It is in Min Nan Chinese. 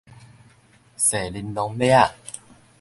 踅玲瑯馬仔